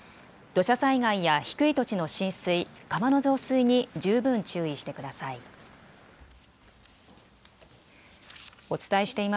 土砂災害や低い土地の浸水、川の増水に十分注意してください。